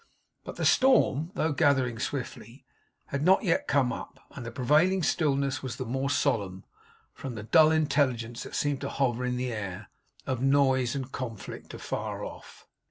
But the storm, though gathering swiftly, had not yet come up; and the prevailing stillness was the more solemn, from the dull intelligence that seemed to hover in the air, of noise and conflict afar off.